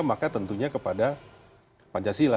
maka tentunya kepada pancasila